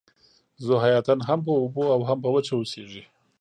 ذوحیاتین هم په اوبو او هم په وچه اوسیږي